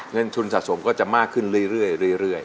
เงินทุนสะสมก็จะมากขึ้นเรื่อย